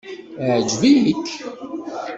Iɛǧeb-ik?